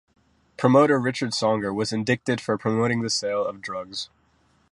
Promoter Richard Songer was indicted for promoting the sale of drugs.